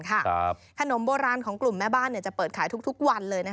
ขนมโบราณของกลุ่มแม่บ้านจะเปิดขายทุกวันเลย